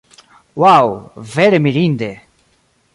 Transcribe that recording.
Ŭaŭ, vere mirinde!